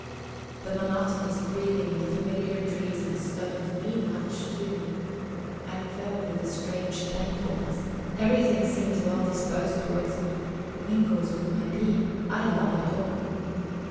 The monotonous breathing and the familiar trees and stones mean much to me; I am filled with a strange thankfulness; everything seems well disposed towards me, mingles with my being; I love it all.